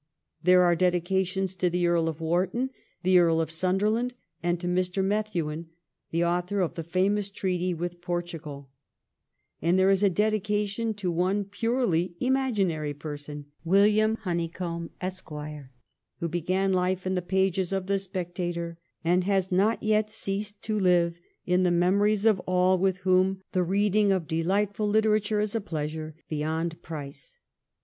There are dedications to the Earl of Wharton, the Earl of Sunderland, and Mr. Methuen (the author of the famous treaty with Portugal), and there is a dedi cation to one purely imaginary person, ' William Honeycomb, Esq.,' who began life in the pages of * The Spectator ' and has not yet ceased to live n the memories of all with whom the reading of delightful VOL. 11. N 178 THE REIGN OF QUEEN ANNE. ch. xxix. literature is a pleasure beyond price.